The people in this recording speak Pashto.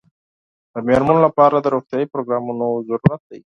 د مېرمنو لپاره د روغتیايي پروګرامونو ضرورت دی.